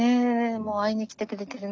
もう会いに来てくれてるのか。